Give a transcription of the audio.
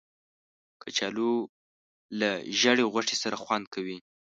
کچالو له زېړې غوښې سره خوند کوي